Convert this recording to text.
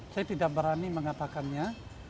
saya tidak berani mengatakannya